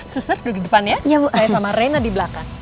suster duduk di depan ya saya sama reina di belakang